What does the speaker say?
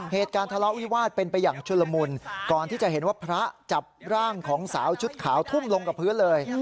เหตุการณ์ทะเลาะวิวาสเป็นไปอย่างชุลมุนก่อนที่จะเห็นว่าพระจับร่างของสาวชุดขาวทุ่มลงกับพื้นเลย